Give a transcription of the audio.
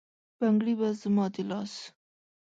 بنګړي به زما د لاس،